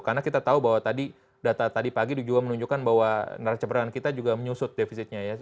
karena kita tahu bahwa tadi data tadi pagi juga menunjukkan bahwa narasumberan kita juga menyusut defisitnya ya